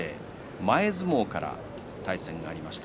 前相撲から対戦がありました。